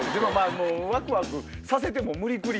もうワクワクさせて無理くり。